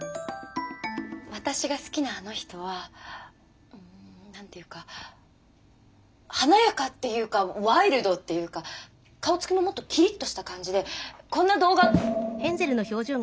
私の好きなあの人は何ていうか華やかっていうかワイルドっていうか顔つきももっとキリッとした感じでこんなどうが。